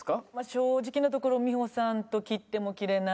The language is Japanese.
正直なところ美穂さんと切っても切れない。